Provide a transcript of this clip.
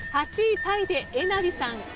８位タイでえなりさん